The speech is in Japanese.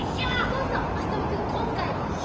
そうそうまさともくんこんかいはほのお！